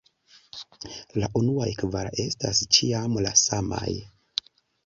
La unuaj kvar estas ĉiam la samaj.